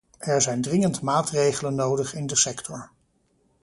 Er zijn dringend maatregelen nodig in de sector.